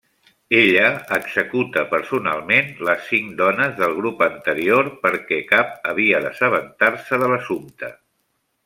Ella executa personalment les cinc dones del grup anterior perquè cap havia d'assabentar-se de l'assumpte.